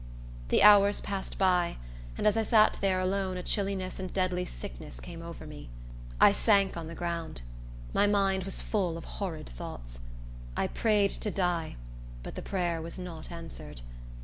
The hours passed by, and as I sat there alone a chilliness and deadly sickness came over me. I sank on the ground. My mind was full of horrid thoughts. I prayed to die; but the prayer was not answered.